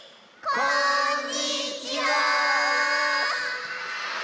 こんにちは！